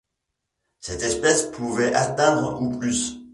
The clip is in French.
Cette espèce pouvait atteindre ou plus.